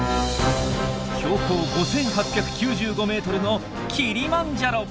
標高５，８９５ｍのキリマンジャロ！